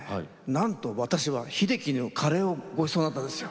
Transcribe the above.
なんと私は秀樹にカレーをごちそうになったんですよ。